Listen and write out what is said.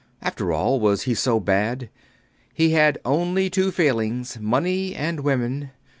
After all, was he so bad? He had only two failings: money and women.